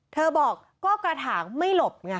เธอบอกก็กระถางไม่หลบไง